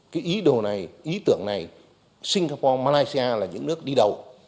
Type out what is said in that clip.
cái ý đồ này ý tưởng này singapore malaysia là những nước đi đầu